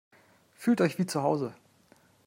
Fühlt euch wie zu Hause!